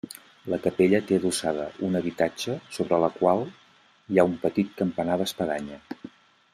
La capella té adossada un habitatge sobre la qual hi ha un petit campanar d'espadanya.